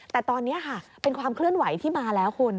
แต่ตอนนี้ค่ะเป็นความเคลื่อนไหวที่มาแล้วคุณ